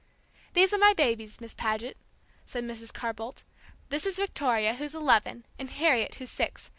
"These are my babies, Miss Paget," said Mrs. Carr Boldt. "This is Victoria, who's eleven, and Harriet, who's six.